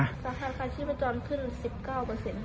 สาหร่าการชื่นแม่จอดขึ้น๑๙